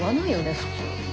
普通。